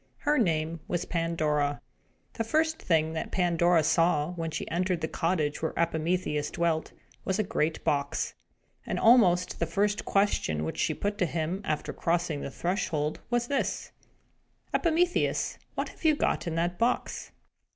Her name was Pandora. The first thing that Pandora saw, when she entered the cottage where Epimetheus dwelt, was a great box. And almost the first question which she put to him, after crossing the threshold, was this: "Epimetheus, what have you in that box?"